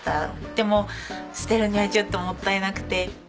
でも捨てるにはちょっともったいなくて。